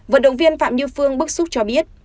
vận động viên phạm như phương bức xúc cho biết